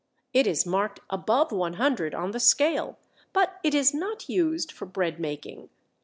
It is marked above 100 on the scale, but it is not used for bread making.